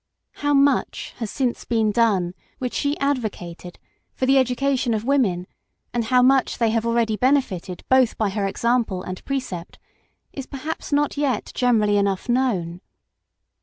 How much has since been done which she advocated for the education of women, and how much they have already benefited both by her example and precept, is perhaps not yet generally enough known.